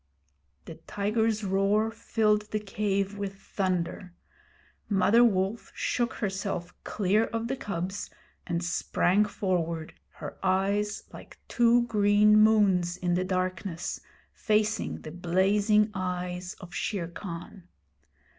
The tiger's roar filled the cave with thunder. Mother Wolf shook herself clear of the cubs and sprang forward, her eyes, like two green moons in the darkness, facing the blazing eyes of Shere Khan.